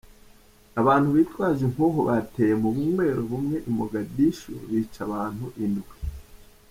Abantu bitwaje inkoho bateye mu bunywero bumwe I Mogadishu bica abantu indwi.